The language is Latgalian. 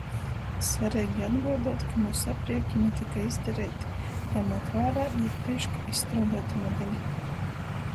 Svareigi atguoduot, ka myusu apriekini tyka izdareiti, jamūt vārā īprīšk izstruoduotu modeli.